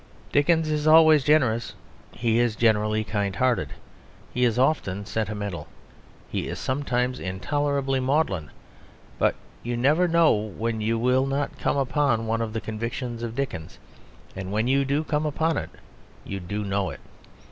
Dickens is always generous, he is generally kind hearted, he is often sentimental, he is sometimes intolerably maudlin; but you never know when you will not come upon one of the convictions of Dickens; and when you do come upon it you do know it.